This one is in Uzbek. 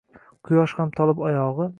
Quyosh ham tolib oyog’i